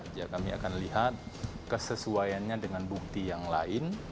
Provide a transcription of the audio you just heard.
biar kami akan lihat kesesuaiannya dengan bukti yang lain